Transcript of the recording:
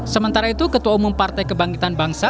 sementara itu ketua umum partai kebangkitan bangsa